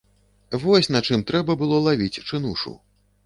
Вось на чым трэба было лавіць чынушу!